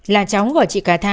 là chóng của chị cà tha